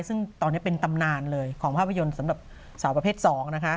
ซึ่งตอนนี้เป็นตำนานเลยของภาพยนตร์สำหรับสาวประเภท๒นะคะ